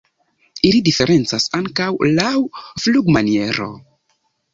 Ili diferencas ankaŭ laŭ flugmaniero.